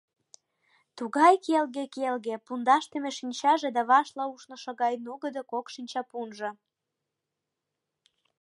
Тугай келге-келге, пундашдыме шинчаже да вашла ушнышо гай нугыдо кок шинчапунжо.